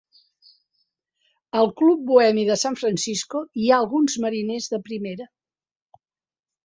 Al Club bohemi de San Francisco hi ha alguns mariners de primera.